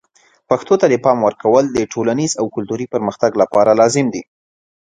پښتو ته د پام ورکول د ټولنیز او کلتوري پرمختګ لپاره لازم دي.